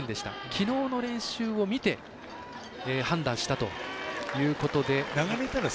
きのうの練習を見て判断したということで。